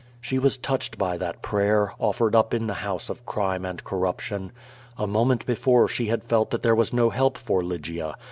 She was touched by that prayer, offered up in the house of crime and corruption. A moment before slie had felt that there was no help for Lygia.